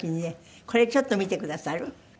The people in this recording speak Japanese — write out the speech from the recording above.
これちょっと見てくださる？